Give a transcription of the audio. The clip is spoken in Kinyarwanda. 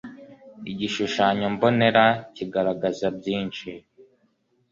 igishushanyo mbonera kigaragaza byinshi